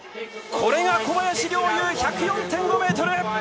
これが小林陵侑、１０４．５ｍ。